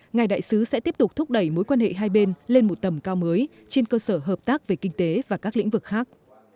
ngài đại sứ sẽ tiếp tục thúc đẩy mối quan hệ hai bên lên một tầm cao mới trên cơ sở hợp tác về kinh tế và các lĩnh vực khác